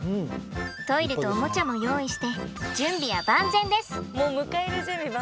トイレとおもちゃも用意して準備は万全です！